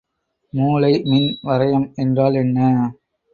மூளை மின் வரையம் என்றால் என்ன?